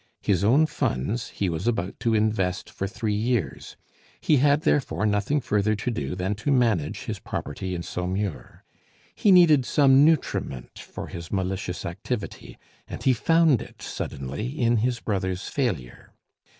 His own funds he was about to invest for three years; he had therefore nothing further to do than to manage his property in Saumur. He needed some nutriment for his malicious activity, and he found it suddenly in his brother's failure.